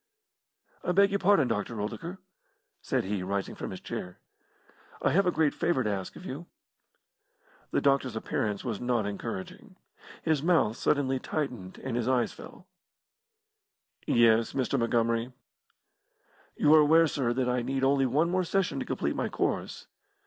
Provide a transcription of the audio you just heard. "I beg your pardon, Dr. Oldacre," said he, rising from his chair; "I have a great favour to ask of you." The doctor's appearance was not encouraging. His mouth suddenly tightened, and his eyes fell. "Yes, Mr. Montgomery?" "You are aware, sir, that I need only one more session to complete my course."